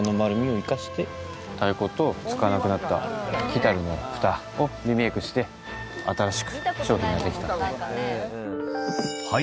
太鼓と使わなくなった。をリメイクして新しく商品が出来た。